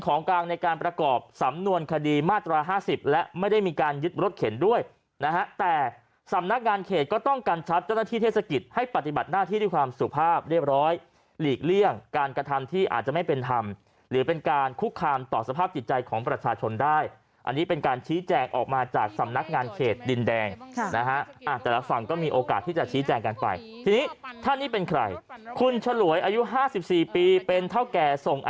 ก็ต้องการชัดเจ้าหน้าที่เทศกิจให้ปฏิบัติหน้าที่ด้วยความสุขภาพเรียบร้อยหลีกเลี่ยงการกระทำที่อาจจะไม่เป็นธรรมหรือเป็นการคุกคามต่อสภาพจิตใจของประชาชนได้อันนี้เป็นการชี้แจงออกมาจากสำนักงานเขตดินแดงแต่ละฝั่งก็มีโอกาสที่จะชี้แจงกันไปทีนี้ท่านนี้เป็นใครคุณฉลวยอายุ๕๔ปีเป็นเท